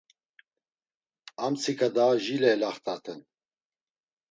Amtsika daa jile elaxt̆aten.